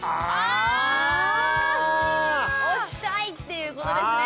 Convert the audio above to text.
押したいっていうことですね。